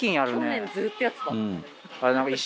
去年ずっとやってた。